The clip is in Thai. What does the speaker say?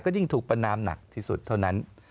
ก็ยิ่งถูกประนามหนักที่สุดเท่านั้น